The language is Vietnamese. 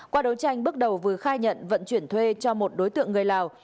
qua đấu tranh bước đầu vừa khai nhận vận chuyển thuê cho một đối tượng người lào